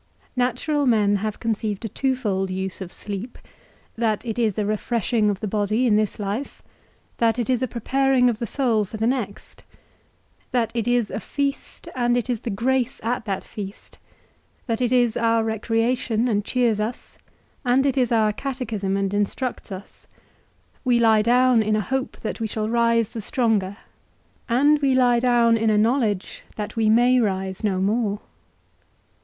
Natural men have conceived a twofold use of sleep; that it is a refreshing of the body in this life; that it is a preparing of the soul for the next; that it is a feast, and it is the grace at that feast; that it is our recreation and cheers us, and it is our catechism and instructs us; we lie down in a hope that we shall rise the stronger, and we lie down in a knowledge that we may rise no more.